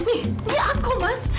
ini aku mas